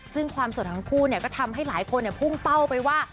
ซึ่งความสดทั้งคู่ก็ทำให้หลายคนพุ่งเป้าไปว่า